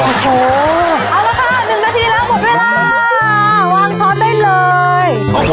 เอาละค่ะ๑นาทีแล้วหมดเวลา